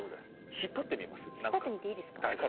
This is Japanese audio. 引っ張ってみていいですか？